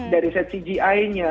dari set cgi nya